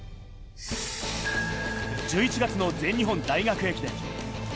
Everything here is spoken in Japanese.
１１月の全日本大学駅伝。